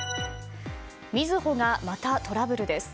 みずほがまたトラブルです。